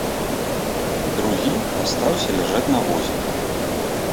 Другі астаўся ляжаць на возе.